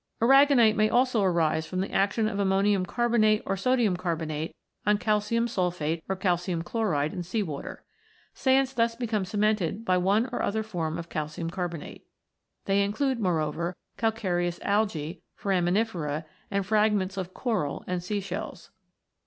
Aragonite may also arise from the action of ammonium carbonate or sodium carbonate on calcium sulphate or calcium chloride in sea water. Sands thus become cemented by one or other form of calcium carbonate. They include, moreover, calcareous algse, foraminifera, and fragments of coral and sea shells.